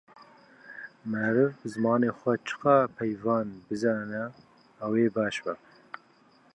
Meriv bi zimanê xwe çi qas peyvan bizane ew ê baş be.